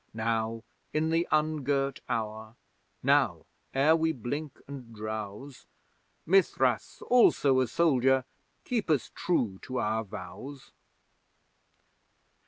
Now in the ungirt hour; now ere we blink and drowse, Mithras, also a soldier, keep us true to our vows!